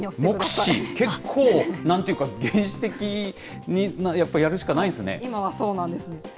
結構、なんていうか、原始的な、やっぱりやるしかない今はそうなんですね。